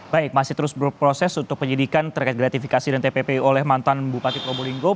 baik masih terus berproses untuk penyidikan terkait gratifikasi dan tppu oleh mantan bupati probolinggo